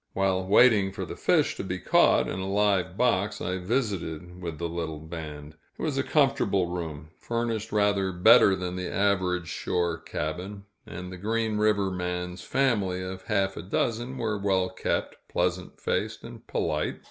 While waiting for the fish to be caught in a live box, I visited with the little band. It was a comfortable room, furnished rather better than the average shore cabin, and the Green River man's family of half a dozen were well kept, pleasant faced, and polite.